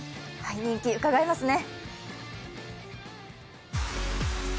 人気うかがえますね。